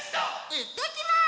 いってきます。